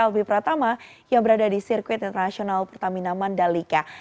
albi pratama yang berada di sirkuit internasional pertamina mandalika